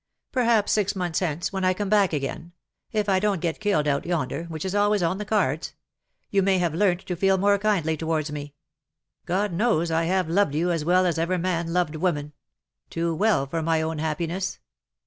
Perhaps six months hence, when I come back again — if I don't get killed out yonder, which is always on the cards — you may have learnt to feel more kindly towards me. God knows I have loved you as well as ever man loved woman — too well for my own happiness.